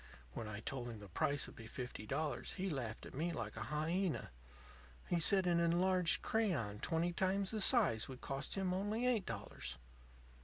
When I told him the price would be fifty dollars he laughed at me like a hyena. He said an enlarged crayon twenty times the size would cost him only eight dollars.